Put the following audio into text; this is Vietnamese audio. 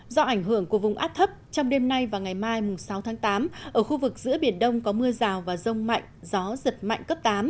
do ảnh hưởng của vùng áp thấp trong đêm nay và ngày mai sáu tháng tám ở khu vực giữa biển đông có mưa rào và rông mạnh gió giật mạnh cấp tám